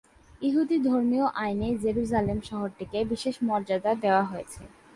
ইহুদি ধর্মীয় আইনে জেরুসালেম শহরটিকে বিশেষ মর্যাদা দেওয়া হয়েছে।